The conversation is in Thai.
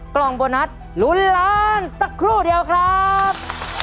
กล่องโบนัสลุ้นล้านสักครู่เดียวครับ